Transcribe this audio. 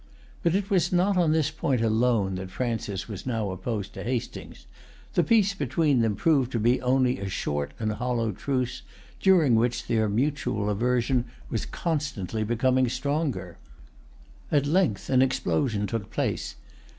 But it was not on this point alone that Francis was now opposed to Hastings. The peace between them proved to be only a short and hollow truce, during which their mutual aversion was constantly becoming stronger. At length an explosion took place.